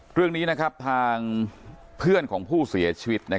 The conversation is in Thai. เรื่องนี้ทางเพื่อนของผู้เสียชีวิต